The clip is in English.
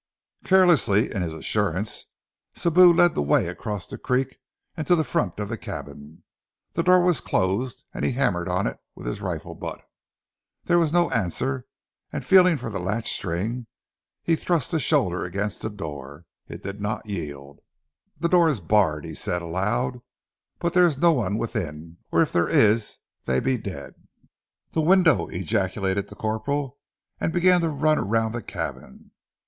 Carelessly, in his assurance, Sibou led the way across the creek, and to the front of the cabin. The door was closed, and he hammered on it with his rifle butt. There was no answer, and, feeling for the latch string, he thrust a shoulder against the door. It did not yield. "The door is barred," he said aloud. "But there is no one within, or if there is they be dead." "The window!" ejaculated the corporal, and began to run round the cabin.